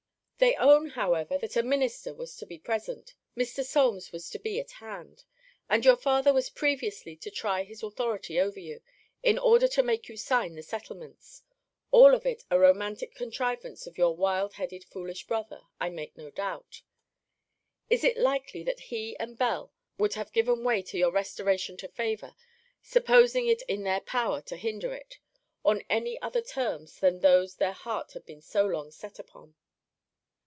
They own, however, that a minister was to be present Mr. Solmes was to be at hand And your father was previously to try his authority over you, in order to make you sign the settlements All of it a romantic contrivance of your wild headed foolish brother, I make no doubt. Is it likely that he and Bell would have given way to your restoration to favour, supposing it in their power to hinder it, on any other terms than those their hearts had been so long set upon?